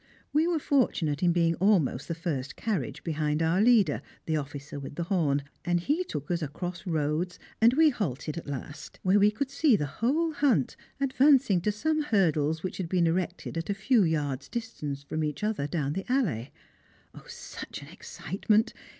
We were fortunate in being almost the first carriage behind our leader, the officer with the horn, and he took us across roads, and we halted at last, where we could see the whole hunt advancing to some hurdles which had been erected at a few yards' distance from each other down the allée. Such an excitement!